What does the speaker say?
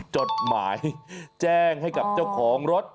จดหมายแจ้งให้กับเจ้าของรถ